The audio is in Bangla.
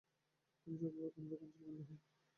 তিনি সফলভাবে কামরূপ অঞ্চলে বন্দী হন।